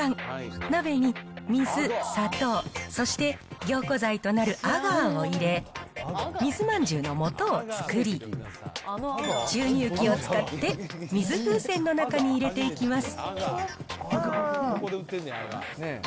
鍋に水、砂糖、そして、凝固剤となるアガーを入れ、水まんじゅうのもとを作り、注入器を使って水風船の中に入れていきます。